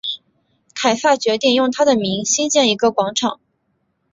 凯撒决定要用他的名兴建一个广场。